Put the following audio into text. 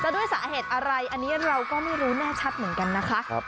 ด้วยสาเหตุอะไรอันนี้เราก็ไม่รู้แน่ชัดเหมือนกันนะคะ